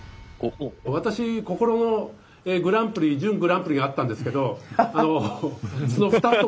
私心のグランプリ準グランプリがあったんですけどあのその２つともですね